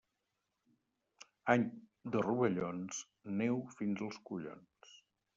Any de rovellons, neu fins als collons.